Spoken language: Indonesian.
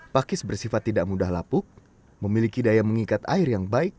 pakis bersifat tidak mudah lapuk memiliki daya mengikat air yang baik